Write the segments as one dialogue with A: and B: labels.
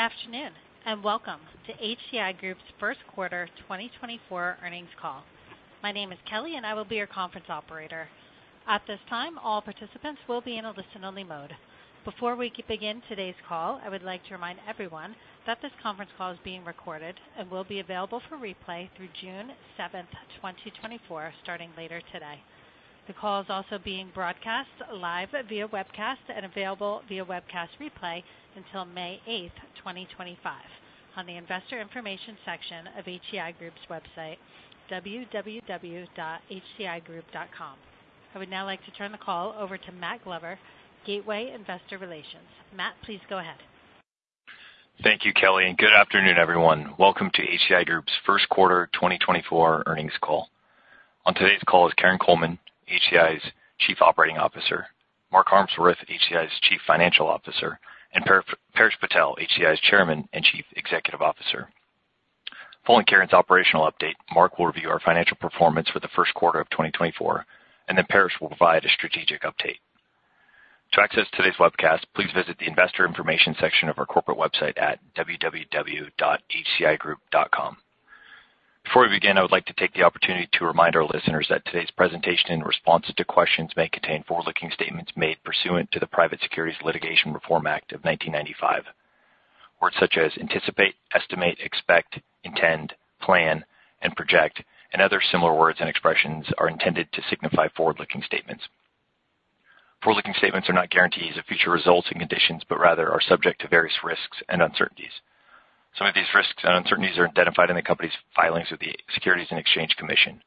A: Good afternoon, and welcome to HCI Group's Q1 2024 Earnings Call. My name is Kelly, and I will be your conference operator. At this time, all participants will be in a listen-only mode. Before we begin today's call, I would like to remind everyone that this conference call is being recorded and will be available for replay through 7 June 2024, starting later today. The call is also being broadcast live via webcast and available via webcast replay until May eighth, 2025, on the investor information section of HCI Group's website, www.hcigroup.com. I would now like to turn the call over to Matt Glover, Gateway Investor Relations. Matt, please go ahead.
B: Thank you, Kelly, and good afternoon, everyone. Welcome to HCI Group's Q1 2024 earnings call. On today's call is Karin Coleman, HCI's Chief Operating Officer; Mark Harmsworth, HCI's Chief Financial Officer; and Paresh Patel, HCI's Chairman and Chief Executive Officer. Following Karin's operational update, Mark will review our financial performance for the Q1 of 2024, and then Paresh will provide a strategic update. To access today's webcast, please visit the investor information section of our corporate website at www.hcigroup.com. Before we begin, I would like to take the opportunity to remind our listeners that today's presentation in response to questions may contain forward-looking statements made pursuant to the Private Securities Litigation Reform Act of 1995. Words such as anticipate, estimate, expect, intend, plan, and project, and other similar words and expressions are intended to signify forward-looking statements. Forward-looking statements are not guarantees of future results and conditions, but rather are subject to various risks and uncertainties. Some of these risks and uncertainties are identified in the company's filings with the Securities and Exchange Commission.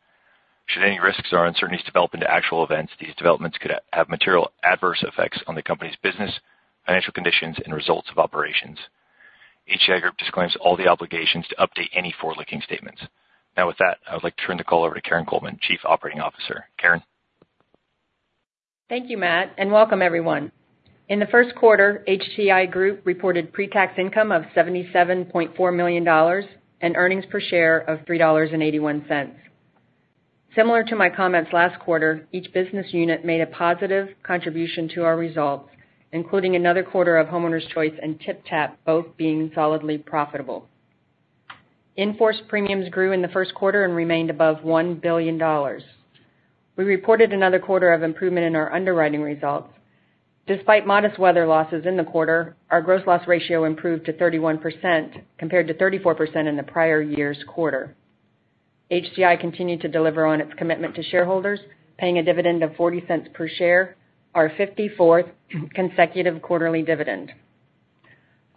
B: Should any risks or uncertainties develop into actual events, these developments could have material adverse effects on the company's business, financial conditions, and results of operations. HCI Group disclaims all the obligations to update any forward-looking statements. Now, with that, I would like to turn the call over to Karin Coleman, Chief Operating Officer. Karin?
C: Thank you, Matt, and welcome everyone. In the Q1, HCI Group reported pre-tax income of $77.4 million and earnings per share of $3.81. Similar to my comments last quarter, each business unit made a positive contribution to our results, including another quarter of Homeowners Choice and TypTap, both being solidly profitable. Inforce premiums grew in the Q1 and remained above $1 billion. We reported another quarter of improvement in our underwriting results. Despite modest weather losses in the quarter, our gross loss ratio improved to 31%, compared to 34% in the prior year's quarter. HCI continued to deliver on its commitment to shareholders, paying a dividend of $0.40 per share, our 54th consecutive quarterly dividend.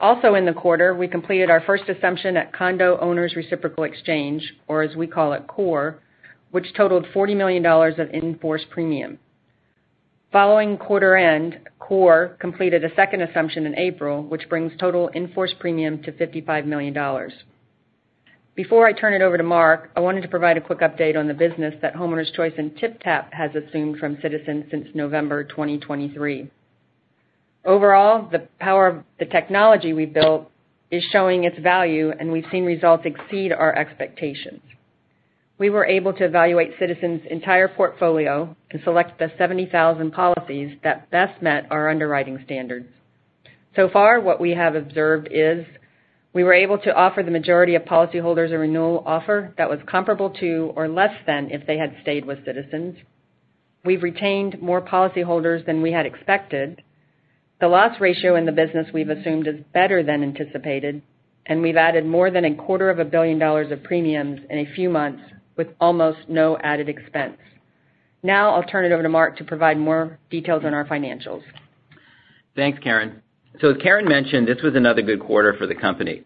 C: Also in the quarter, we completed our first assumption at Condo Owners Reciprocal Exchange, or as we call it, CORE, which totaled $40 million of in-force premium. Following quarter end, CORE completed a second assumption in April, which brings total in-force premium to $55 million. Before I turn it over to Mark, I wanted to provide a quick update on the business that Homeowners Choice and TypTap has assumed from Citizens since November 2023. Overall, the power of the technology we've built is showing its value, and we've seen results exceed our expectations. We were able to evaluate Citizens' entire portfolio and select the 70,000 policies that best met our underwriting standards. So far, what we have observed is we were able to offer the majority of policyholders a renewal offer that was comparable to or less than if they had stayed with Citizens. We've retained more policyholders than we had expected. The loss ratio in the business we've assumed is better than anticipated, and we've added more than $250 million of premiums in a few months with almost no added expense. Now, I'll turn it over to Mark to provide more details on our financials.
D: Thanks, Karin. So as Karin mentioned, this was another good quarter for the company.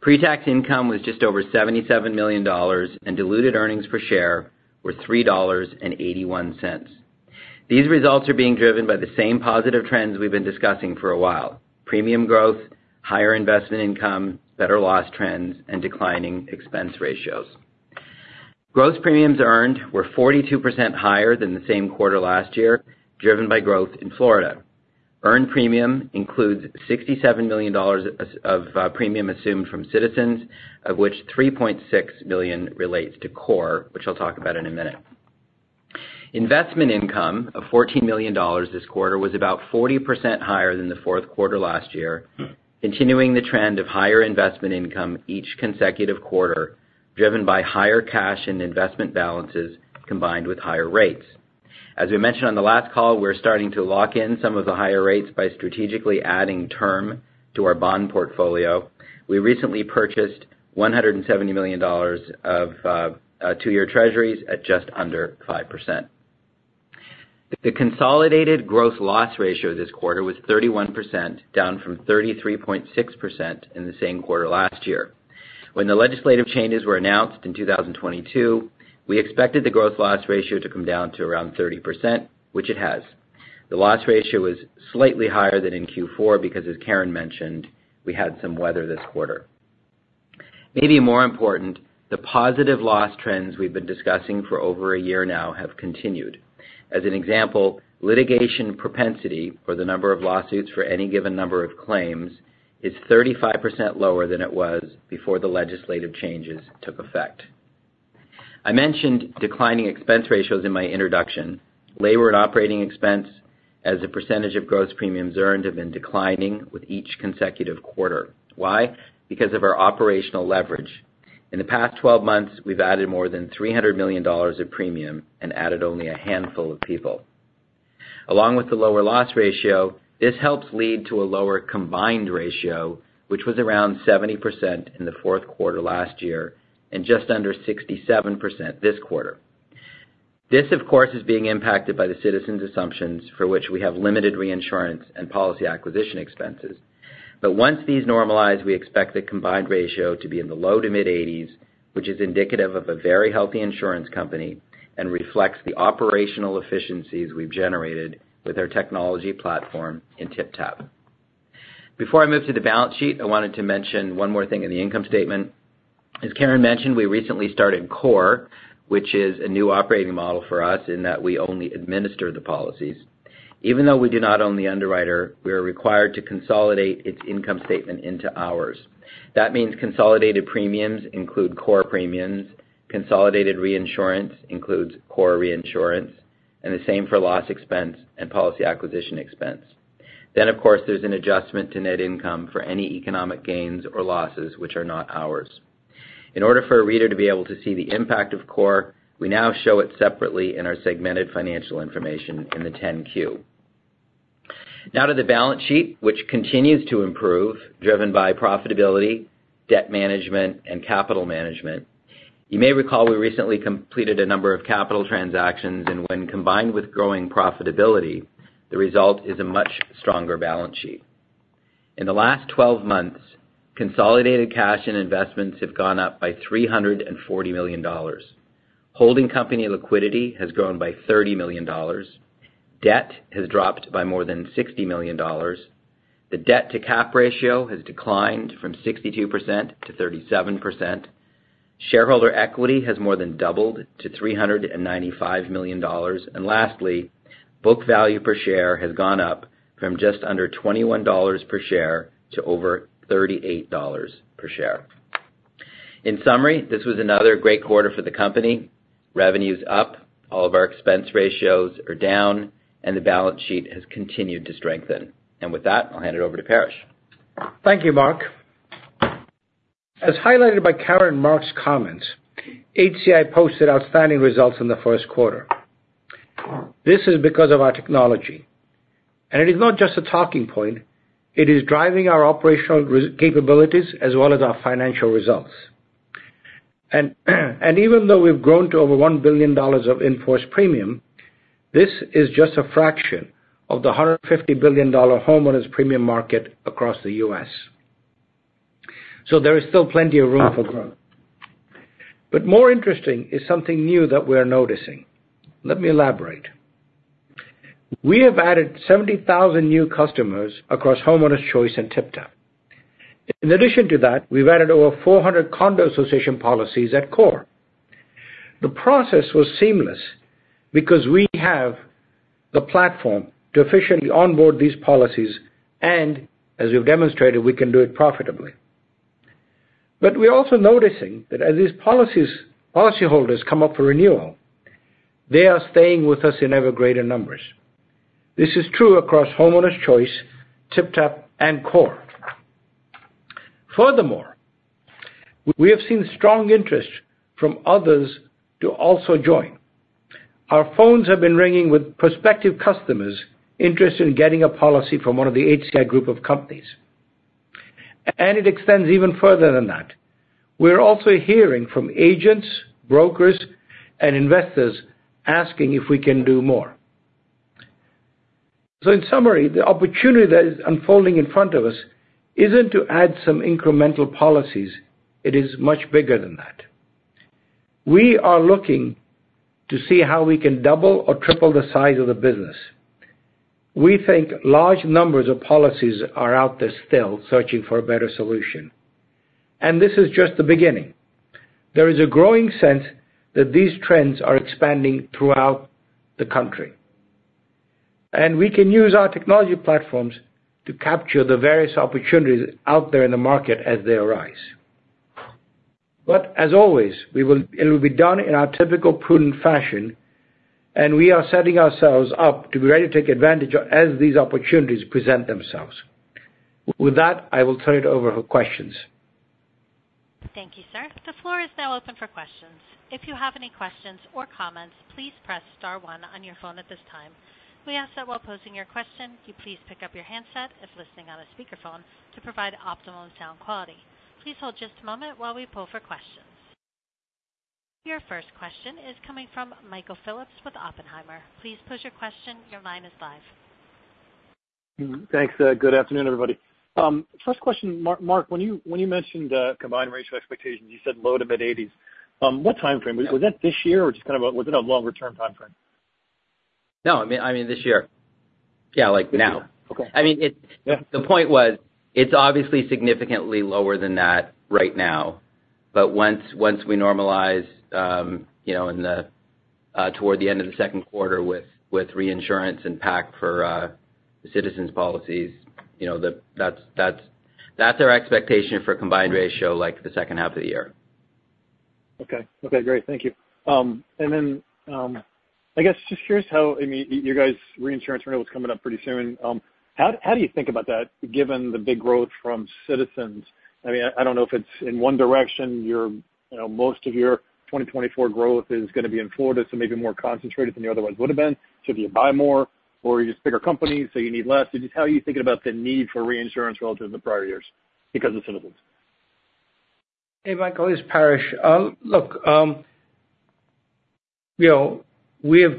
D: Pre-tax income was just over $77 million, and diluted earnings per share were $3.81. These results are being driven by the same positive trends we've been discussing for a while: premium growth, higher investment income, better loss trends, and declining expense ratios. Gross premiums earned were 42% higher than the same quarter last year, driven by growth in Florida. Earned premium includes $67 million of premium assumed from Citizens, of which $3.6 billion relates to CORE, which I'll talk about in a minute. Investment income of $14 million this quarter was about 40% higher than the Q4 last year, continuing the trend of higher investment income each consecutive quarter, driven by higher cash and investment balances combined with higher rates. As we mentioned on the last call, we're starting to lock in some of the higher rates by strategically adding term to our bond portfolio. We recently purchased $170 million of 2-year treasuries at just under 5%. The consolidated gross loss ratio this quarter was 31%, down from 33.6% in the same quarter last year. When the legislative changes were announced in 2022, we expected the gross loss ratio to come down to around 30%, which it has. The loss ratio is slightly higher than in Q4 because, as Karin mentioned, we had some weather this quarter. Maybe more important, the positive loss trends we've been discussing for over a year now have continued. As an example, litigation propensity, or the number of lawsuits for any given number of claims, is 35% lower than it was before the legislative changes took effect. I mentioned declining expense ratios in my introduction. Labor and operating expense as a percentage of gross premiums earned have been declining with each consecutive quarter. Why? Because of our operational leverage. In the past 12 months, we've added more than $300 million of premium and added only a handful of people. Along with the lower loss ratio, this helps lead to a lower combined ratio, which was around 70% in the Q4 last year and just under 67% this quarter. This, of course, is being impacted by the Citizens Assumptions for which we have limited reinsurance and policy acquisition expenses. But once these normalize, we expect the combined ratio to be in the low-to-mid 80s, which is indicative of a very healthy insurance company and reflects the operational efficiencies we've generated with our technology platform in TypTap. Before I move to the balance sheet, I wanted to mention one more thing in the income statement. As Karin mentioned, we recently started CORE, which is a new operating model for us in that we only administer the policies. Even though we do not own the underwriter, we are required to consolidate its income statement into ours. That means consolidated premiums include CORE premiums, consolidated reinsurance includes CORE reinsurance, and the same for loss expense and policy acquisition expense. Then, of course, there's an adjustment to net income for any economic gains or losses, which are not ours. In order for a reader to be able to see the impact of CORE, we now show it separately in our segmented financial information in the 10-Q. Now to the balance sheet, which continues to improve, driven by profitability, debt management, and capital management. You may recall we recently completed a number of capital transactions, and when combined with growing profitability, the result is a much stronger balance sheet. In the last 12 months, consolidated cash and investments have gone up by $340 million. Holding company liquidity has grown by $30 million. Debt has dropped by more than $60 million. The debt to cap ratio has declined from 62% to 37%. Shareholder equity has more than doubled to $395 million. Lastly, book value per share has gone up from just under $21 per share to over $38 per share. In summary, this was another great quarter for the company. Revenue is up, all of our expense ratios are down, and the balance sheet has continued to strengthen. With that, I'll hand it over to Paresh.
E: Thank you, Mark. As highlighted by Karin and Mark's comments, HCI posted outstanding results in the Q1. This is because of our technology, and it is not just a talking point, it is driving our operational capabilities as well as our financial results. And even though we've grown to over $1 billion of in-force premium, this is just a fraction of the $150 billion homeowners' premium market across the US So there is still plenty of room for growth. But more interesting is something new that we are noticing. Let me elaborate. We have added 70,000 new customers across Homeowners Choice and TypTap. In addition to that, we've added over 400 condo association policies at CORE. The process was seamless because we have the platform to efficiently onboard these policies, and as we've demonstrated, we can do it profitably. But we're also noticing that as these policyholders come up for renewal, they are staying with us in ever greater numbers. This is true across Homeowners Choice, TypTap, and CORE. Furthermore, we have seen strong interest from others to also join. Our phones have been ringing with prospective customers interested in getting a policy from one of the HCI Group of companies. And it extends even further than that. We're also hearing from agents, brokers, and investors asking if we can do more. So in summary, the opportunity that is unfolding in front of us isn't to add some incremental policies. It is much bigger than that. We are looking to see how we can double or triple the size of the business. We think large numbers of policies are out there still searching for a better solution, and this is just the beginning. There is a growing sense that these trends are expanding throughout the country, and we can use our technology platforms to capture the various opportunities out there in the market as they arise. But as always, it will be done in our typical prudent fashion, and we are setting ourselves up to be ready to take advantage of, as these opportunities present themselves. With that, I will turn it over for questions.
A: Thank you, sir. The floor is now open for questions. If you have any questions or comments, please press star one on your phone at this time. We ask that while posing your question, you please pick up your handset if listening on a speakerphone to provide optimal sound quality. Please hold just a moment while we pull for questions. Your first question is coming from Michael Phillips with Oppenheimer. Please pose your question. Your line is live.
F: Thanks. Good afternoon, everybody. First question, Mark, when you mentioned combined ratio expectations, you said low to mid-eighties. What time frame? Was that this year, or just kind of was it a longer-term time frame?
D: No, I mean, I mean this year. Yeah, like now.
E: Okay.
D: I mean. Yeah. The point was, it's obviously significantly lower than that right now, but once, once we normalize, you know, in the...... toward the end of the Q2 with reinsurance and PAC for the Citizens policies, you know, that's our expectation for a combined ratio, like, the second half of the year.
F: Okay. Okay, great. Thank you. And then, I guess just curious how, I mean, you guys' reinsurance renewal is coming up pretty soon. How do you think about that, given the big growth from Citizens? I mean, I don't know if it's in one direction, your, you know, most of your 2024 growth is going to be in Florida, so maybe more concentrated than you otherwise would have been. So do you buy more or you're just a bigger company, so you need less? Just how are you thinking about the need for reinsurance relative to the prior years because of Citizens?
E: Hey, Michael, it's Paresh. Look, you know, we have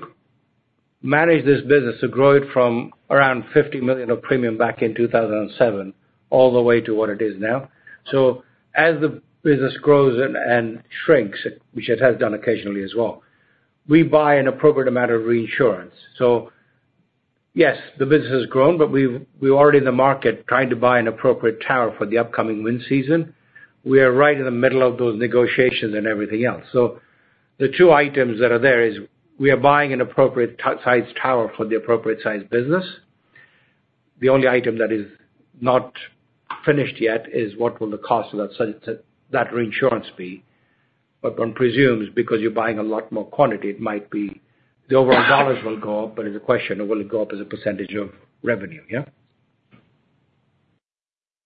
E: managed this business to grow it from around $50 million of premium back in 2007 all the way to what it is now. So as the business grows and shrinks, which it has done occasionally as well, we buy an appropriate amount of reinsurance. So yes, the business has grown, but we're already in the market trying to buy an appropriate tower for the upcoming wind season. We are right in the middle of those negotiations and everything else. So the two items that are there is, we are buying an appropriate size tower for the appropriate size business. The only item that is not finished yet is what will the cost of that reinsurance be? But one presumes, because you're buying a lot more quantity, it might be the overall dollars will go up, but it's a question of will it go up as a percentage of revenue, yeah?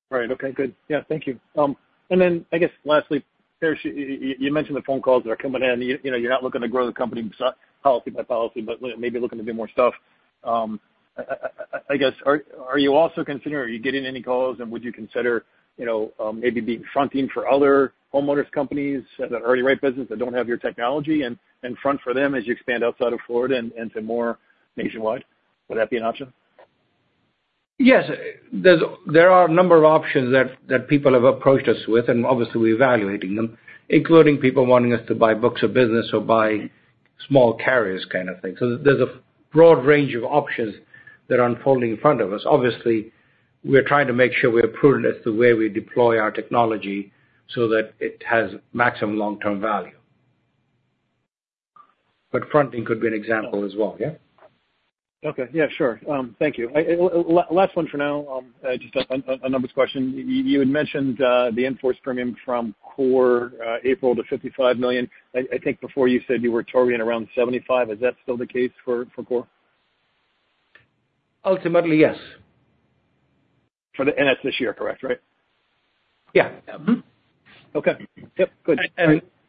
F: Right. Okay, good. Yeah, thank you. And then, I guess lastly, Paresh, you mentioned the phone calls that are coming in. You know, you're not looking to grow the company policy by policy, but maybe looking at a bit more stuff. I guess, are you also considering, are you getting any calls, and would you consider, you know, maybe being fronting for other homeowners companies that have an early right business that don't have your technology, and front for them as you expand outside of Florida and to more nationwide? Would that be an option?
E: Yes. There are a number of options that people have approached us with, and obviously, we're evaluating them, including people wanting us to buy books of business or buy small carriers kind of thing. So there's a broad range of options that are unfolding in front of us. Obviously, we're trying to make sure we're prudent as to the way we deploy our technology so that it has maximum long-term value. But fronting could be an example as well, yeah?
F: Okay. Yeah, sure. Thank you. Last one for now, just a numbers question. You had mentioned the in-force premium from CORE April to $55 million. I think before you said you were targeting around $75 million. Is that still the case for CORE?
E: Ultimately, yes.
F: That's this year, correct, right?
E: Yeah. Mm-hmm.
F: Okay. Yep, good.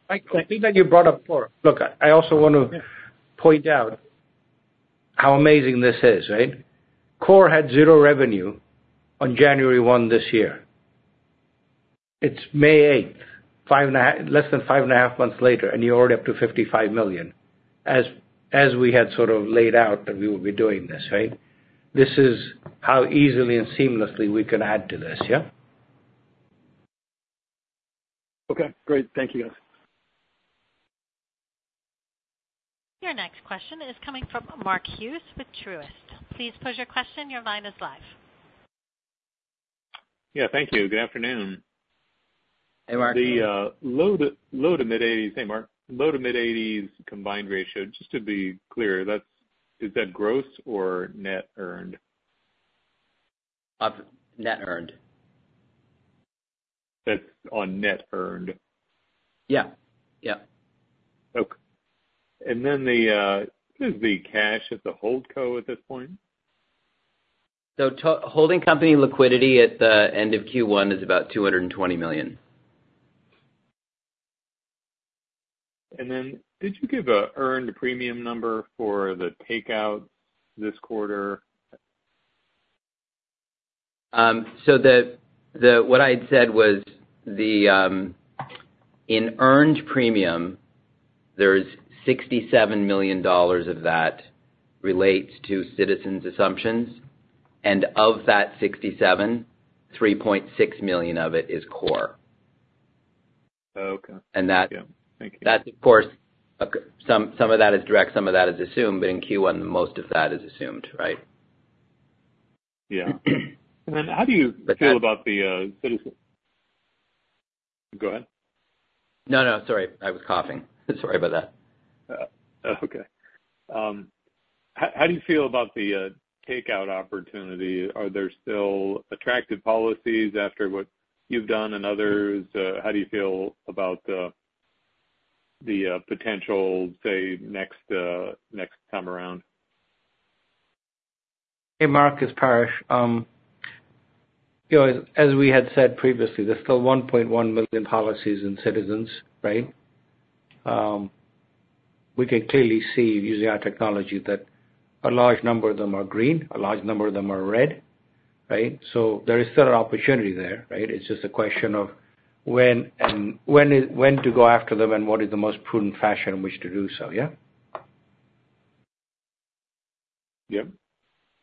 E: Michael, I think that you brought up CORE. Look, I also want to-
F: Yeah...
E: point out how amazing this is, right? CORE had zero revenue on January one this year. It's May eighth, less than five and a half months later, and you're already up to $55 million, as we had sort of laid out that we would be doing this, right? This is how easily and seamlessly we can add to this, yeah?
F: Okay, great. Thank you, guys.
A: Your next question is coming from Mark Hughes with Truist. Please pose your question. Your line is live.
G: Yeah, thank you. Good afternoon.
D: Hey, Mark.
G: Low to mid-eighties. Hey, Mark. Low to mid-eighties combined ratio, just to be clear, that's, is that gross or net earned?
D: Net earned.
G: That's on net earned?
D: Yeah. Yeah.
G: Okay. And then, what is the cash at the hold co at this point?
D: Holding company liquidity at the end of Q1 is about $220 million.
G: Then did you give an earned premium number for the Takeout this quarter?
D: So, what I'd said was, in earned premium, there's $67 million of that relates to Citizens assumptions, and of that $67 million, $3.6 million of it is CORE.
G: Okay.
D: And that-
G: Yeah. Thank you.
D: That, of course, some of that is direct, some of that is assumed, but in Q1, most of that is assumed, right?
G: Yeah. And then how do you feel about the Citizens... Go ahead.
D: No, no, sorry. I was coughing. Sorry about that.
G: Okay. How do you feel about the takeout opportunity? Are there still attractive policies after what you've done and others? How do you feel about the potential, say, next time around?
E: Hey, Mark, it's Paresh. You know, as we had said previously, there's still 1.1 million policies in Citizens, right? We can clearly see, using our technology, that a large number of them are green, a large number of them are red, right? So there is still an opportunity there, right? It's just a question of when and when to go after them, and what is the most prudent fashion in which to do so, yeah?
G: Yep.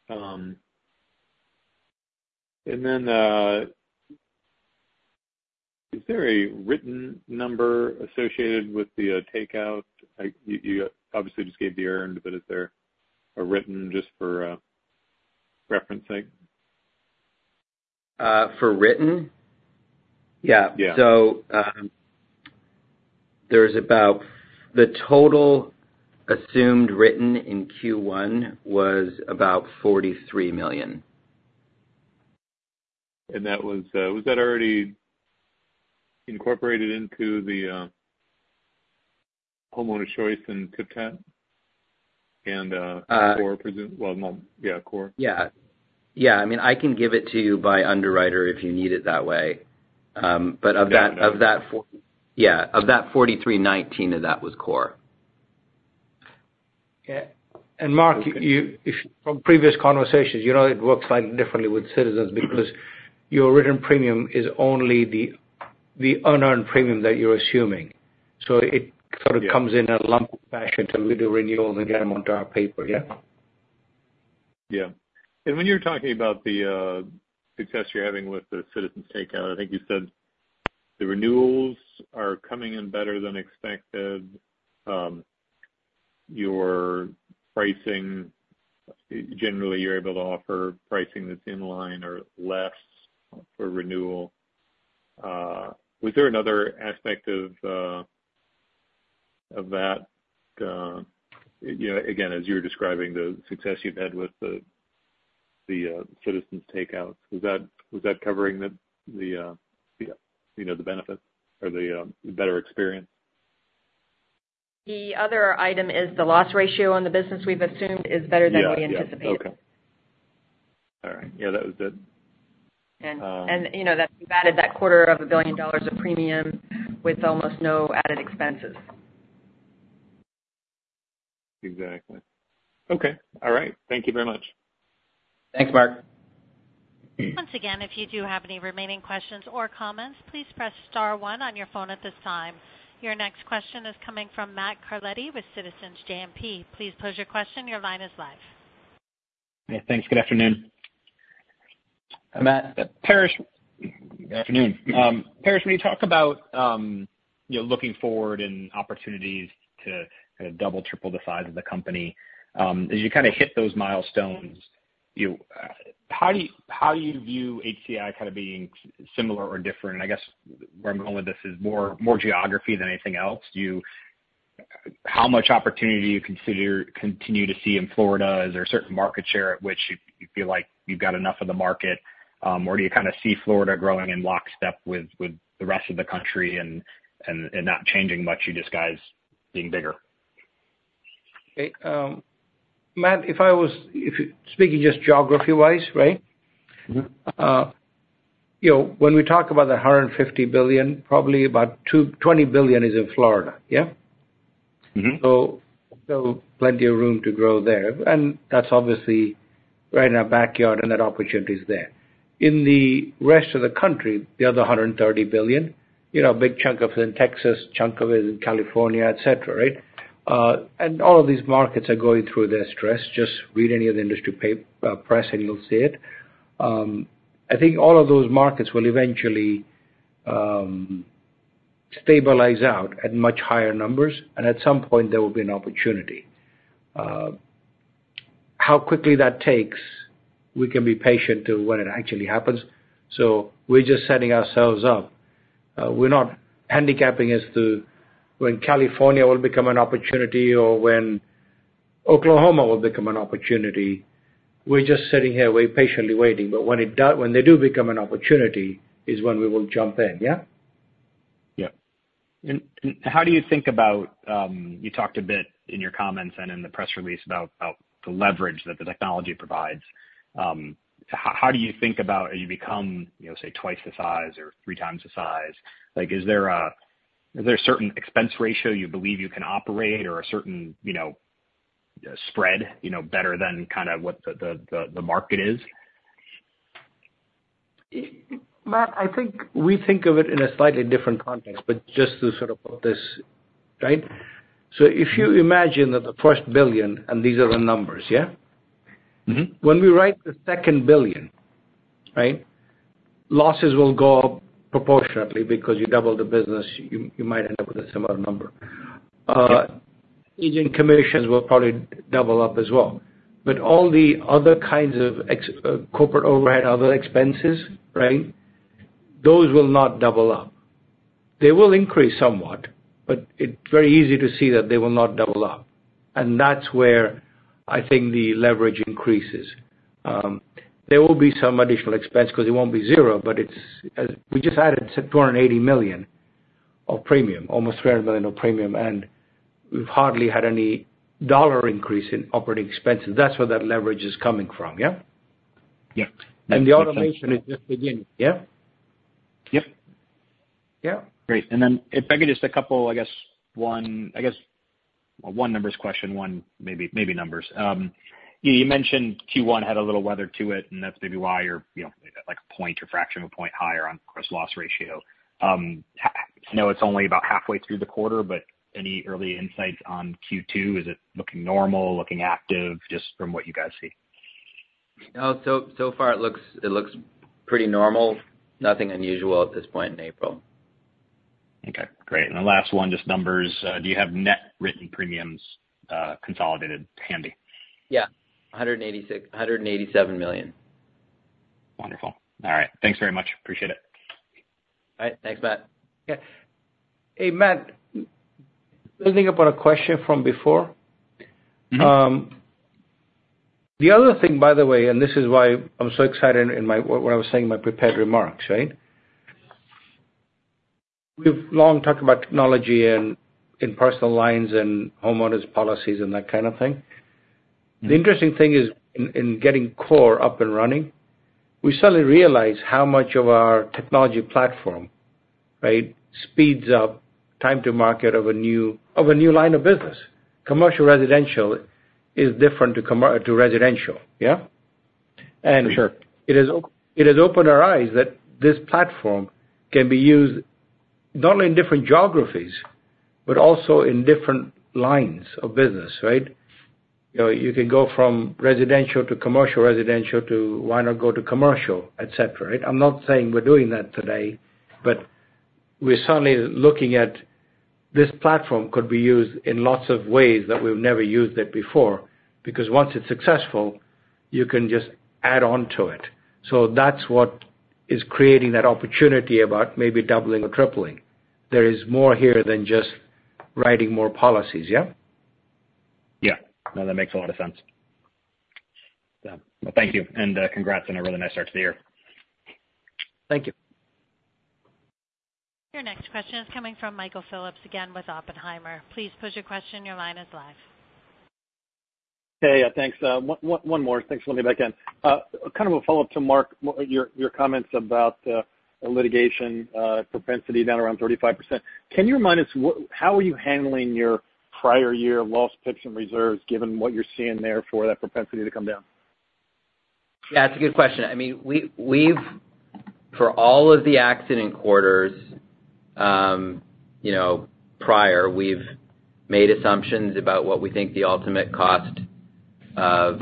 G: And then, is there a written number associated with the takeout? You obviously just gave the earned, but is there a written just for referencing?...
D: for written? Yeah.
G: Yeah.
D: There's about the total assumed written in Q1 was about $43 million.
G: That was, was that already incorporated into the Homeowners Choice in TypTap, and CORE premium, well, no, yeah, CORE.
D: Yeah. Yeah, I mean, I can give it to you by underwriter if you need it that way. But of that for-
G: Yeah.
D: Yeah, of that 43, 19 of that was CORE.
E: Yeah, and Mark, you, if from previous conversations, you know, it works slightly differently with Citizens because your written premium is only the unearned premium that you're assuming. So it-
G: Yeah
E: Sort of comes in a lump fashion till we do renewals and get them onto our paper, yeah.
G: Yeah. And when you're talking about the success you're having with the Citizens takeout, I think you said the renewals are coming in better than expected. Your pricing, generally, you're able to offer pricing that's in line or less for renewal. Was there another aspect of that, you know, again, as you were describing the success you've had with the Citizens takeouts, was that covering the, you know, the benefit or the better experience?
C: The other item is the loss ratio on the business we've assumed is better than we anticipated.
G: Yeah, yeah. Okay. All right. Yeah, that was it.
D: You know, that we've added that $250 million of premium with almost no added expenses.
G: Exactly. Okay, all right. Thank you very much.
D: Thanks, Mark.
A: Once again, if you do have any remaining questions or comments, please press star one on your phone at this time. Your next question is coming from Matt Carletti with Citizens JMP. Please pose your question. Your line is live.
H: Yeah, thanks. Good afternoon.
D: Matt Carletti..
H: Afternoon. Paresh, when you talk about, you know, looking forward and opportunities to double, triple the size of the company, as you kind of hit those milestones, you, how do you, how do you view HCI kind of being similar or different? I guess where I'm going with this is more, more geography than anything else. Do you. How much opportunity do you consider, continue to see in Florida? Is there a certain market share at which you, you feel like you've got enough of the market, or do you kind of see Florida growing in lockstep with, with the rest of the country and, and, and not changing much, you just guys being bigger?
E: Okay, Matt, if speaking just geography wise, right?
H: Mm-hmm.
E: You know, when we talk about the $150 billion, probably about $20 billion is in Florida, yeah?
H: Mm-hmm.
E: So, plenty of room to grow there, and that's obviously right in our backyard, and that opportunity is there. In the rest of the country, the other $130 billion, you know, a big chunk of it in Texas, chunk of it is in California, et cetera, right? And all of these markets are going through their stress. Just read any of the industry press and you'll see it. I think all of those markets will eventually stabilize out at much higher numbers, and at some point, there will be an opportunity. How quickly that takes, we can be patient to when it actually happens, so we're just setting ourselves up. We're not handicapping as to when California will become an opportunity or when Oklahoma will become an opportunity. We're just sitting here, we're patiently waiting, but when they do become an opportunity, is when we will jump in, yeah?
H: Yeah. And how do you think about, you talked a bit in your comments and in the press release about the leverage that the technology provides. How do you think about, as you become, you know, say, twice the size or three times the size? Like, is there a certain expense ratio you believe you can operate or a certain, you know, spread, you know, better than kind of what the market is?
E: Matt, I think we think of it in a slightly different context, but just to sort of put this, right? So if you imagine that the first $1 billion, and these are the numbers, yeah?
H: Mm-hmm.
E: When we write the second billion, right, losses will go up proportionately because you double the business, you might end up with a similar number.
H: Yeah.
E: Agent commissions will probably double up as well. But all the other kinds of corporate overhead, other expenses, right, those will not double up. They will increase somewhat, but it's very easy to see that they will not double up, and that's where I think the leverage increases. There will be some additional expense because it won't be zero, but it's... We just added $280 million of premium, almost $300 million of premium, and we've hardly had any dollar increase in operating expenses. That's where that leverage is coming from, yeah?
H: Yeah.
E: The automation is just beginning. Yeah?
H: Yep.
E: Yeah.
H: Great. And then if I could, just a couple, I guess, one numbers question, one maybe numbers. You mentioned Q1 had a little weather to it, and that's maybe why you're, you know, like a point or fraction of a point higher on gross loss ratio. I know it's only about halfway through the quarter, but any early insights on Q2? Is it looking normal, looking active, just from what you guys see?
D: No, so far it looks pretty normal. Nothing unusual at this point in April....
H: Okay, great. And the last one, just numbers. Do you have net written premiums, consolidated handy?
D: Yeah, $186 million, $187 million.
H: Wonderful. All right. Thanks very much. Appreciate it.
D: All right, thanks, Matt.
E: Yeah. Hey, Matt, building up on a question from before.
H: Mm-hmm.
E: The other thing, by the way, and this is why I'm so excited in my, when I was saying my prepared remarks, right? We've long talked about technology and in personal lines and homeowners policies and that kind of thing.
H: Mm-hmm.
E: The interesting thing is, in getting CORE up and running, we suddenly realize how much of our technology platform, right, speeds up time to market of a new line of business. Commercial residential is different to residential. Yeah?
H: For sure.
E: It has opened our eyes that this platform can be used not only in different geographies, but also in different lines of business, right? You know, you can go from residential to commercial, residential to why not go to commercial, et cetera, right? I'm not saying we're doing that today, but we're suddenly looking at this platform could be used in lots of ways that we've never used it before. Because once it's successful, you can just add on to it. So that's what is creating that opportunity about maybe doubling or tripling. There is more here than just writing more policies. Yeah?
H: Yeah. No, that makes a lot of sense. Yeah. Well, thank you, and congrats on a really nice start to the year.
E: Thank you.
A: Your next question is coming from Michael Phillips, again, with Oppenheimer. Please pose your question. Your line is live.
F: Hey, thanks. One more. Thanks for letting me back in. Kind of a follow-up to Mark, your comments about the litigation propensity down around 35%. Can you remind us how are you handling your prior year loss picks and reserves, given what you're seeing there for that propensity to come down?
D: Yeah, that's a good question. I mean, we've for all of the accident quarters, you know, prior, we've made assumptions about what we think the ultimate cost of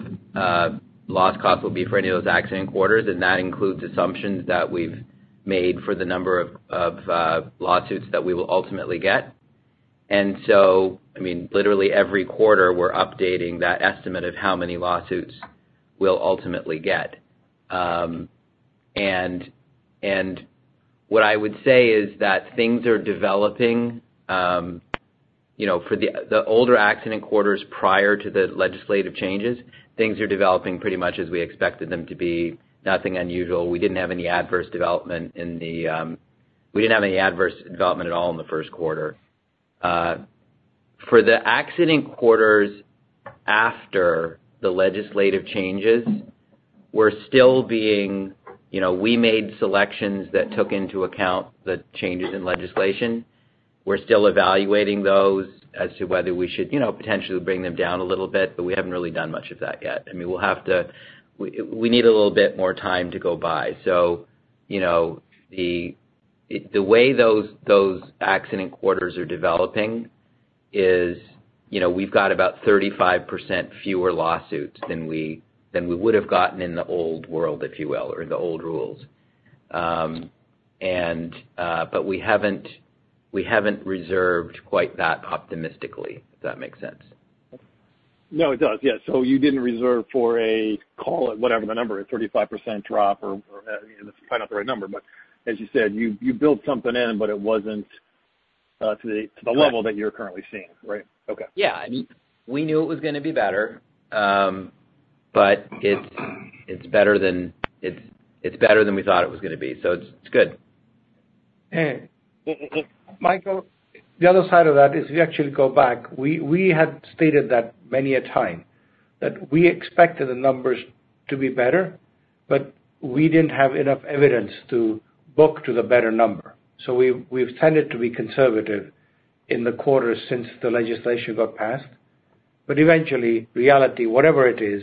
D: loss cost will be for any of those accident quarters, and that includes assumptions that we've made for the number of lawsuits that we will ultimately get. And so, I mean, literally every quarter, we're updating that estimate of how many lawsuits we'll ultimately get. And what I would say is that things are developing, you know, for the older accident quarters prior to the legislative changes, things are developing pretty much as we expected them to be. Nothing unusual. We didn't have any adverse development at all in the Q1. For the accident quarters after the legislative changes, we're still being... You know, we made selections that took into account the changes in legislation. We're still evaluating those as to whether we should, you know, potentially bring them down a little bit, but we haven't really done much of that yet. I mean, we'll have to—we need a little bit more time to go by. So, you know, the way those accident quarters are developing is, you know, we've got about 35% fewer lawsuits than we would have gotten in the old world, if you will, or in the old rules. But we haven't reserved quite that optimistically, if that makes sense.
F: No, it does. Yeah. So you didn't reserve for a, call it whatever the number is, 35% drop or, you know, that's probably not the right number, but as you said, you built something in, but it wasn't to the level-
D: Right.
F: that you're currently seeing, right? Okay.
E: Yeah. I mean, we knew it was gonna be better, but it's better than we thought it was gonna be, so it's good.
D: Hey, Michael, the other side of that is, if you actually go back, we had stated that many a time, that we expected the numbers to be better, but we didn't have enough evidence to book to the better number. So we've tended to be conservative in the quarters since the legislation got passed. But eventually, reality, whatever it is,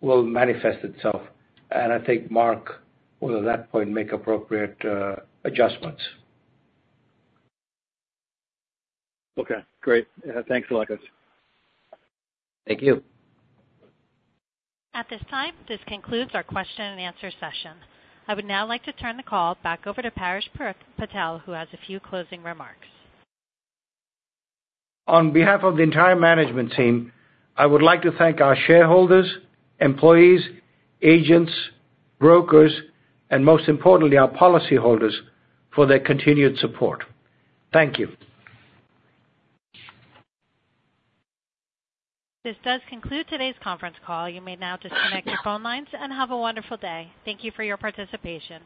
D: will manifest itself, and I think Mark will, at that point, make appropriate adjustments.
F: Okay, great. Thanks a lot, guys.
D: Thank you.
A: At this time, this concludes our question and answer session. I would now like to turn the call back over to Paresh Patel, who has a few closing remarks.
E: On behalf of the entire management team, I would like to thank our shareholders, employees, agents, brokers, and most importantly, our policyholders, for their continued support. Thank you.
A: This does conclude today's conference call. You may now disconnect your phone lines and have a wonderful day. Thank you for your participation.